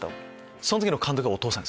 その時の監督はお父さん？